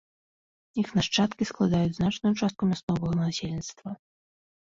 Іх нашчадкі складаюць значную частку мясцовага насельніцтва.